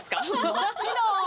もちろん！